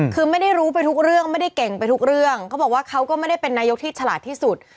คือไม่ได้รู้ไปทุกเรื่องไม่ได้เก่งไปทุกเรื่องเขาบอกว่าเขาก็ไม่ได้เป็นนายกที่ฉลาดที่สุด